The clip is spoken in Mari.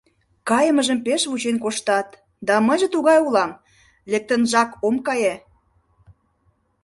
Кайымыжым пеш вучен коштат, да мыйже тугай улам, лектынжак ом кае.